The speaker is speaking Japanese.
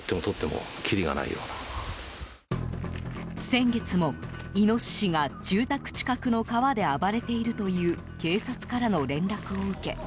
先月も、イノシシが住宅近くの川で暴れているという警察からの連絡を受け